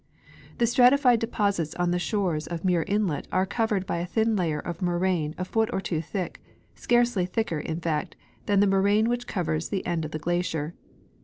The stratified deposits on the shores of Muir inlet are covered by a thin layer of moraine a foot or two thick ; scarcely thicker, in fact, than the moraine which covers the end of the glacier.